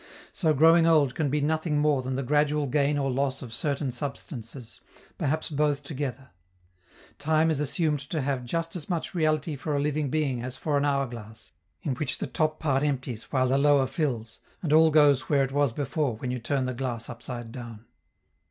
So growing old can be nothing more than the gradual gain or loss of certain substances, perhaps both together. Time is assumed to have just as much reality for a living being as for an hour glass, in which the top part empties while the lower fills, and all goes where it was before when you turn the glass upside down.